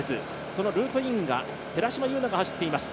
そのルートイン寺島優奈が走っています。